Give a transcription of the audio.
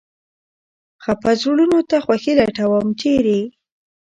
خپه زړونو ته خوښي لټوم ، چېرې ؟